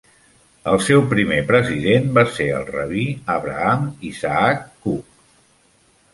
El seu primer president va ser el rabí Abraham Isaac Kook.